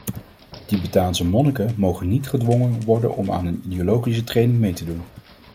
Tibetaanse monniken mogen niet gedwongen worden om aan een ideologische training mee te doen.